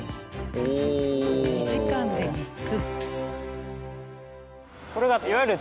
２時間で３つ。